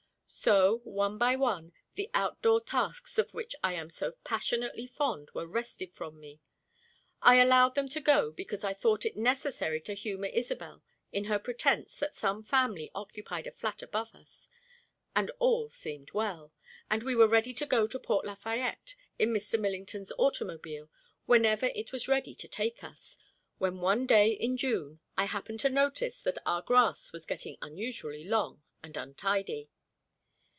So, one by one, the outdoor tasks of which I am so passionately fond were wrested from me. I allowed them to go because I thought it necessary to humour Isobel in her pretence that some family occupied a flat above us, and all seemed well; and we were ready to go to Port Lafayette in Mr. Millington's automobile whenever it was ready to take us, when one day in June I happened to notice that our grass was getting unusually long and untidy.